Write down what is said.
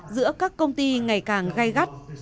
giữa các công ty ngày càng gai gắt